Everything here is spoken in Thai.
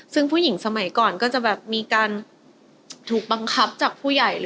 ซึ่งผู้หญิงสมัยก่อนก็จะแบบมีการถูกบังคับจากผู้ใหญ่